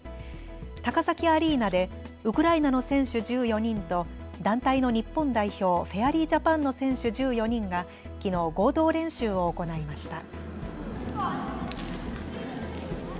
高崎アリーナでウクライナの選手１４人と団体の日本代表、フェアリージャパンの選手１４人がきのう合同練習を行いました。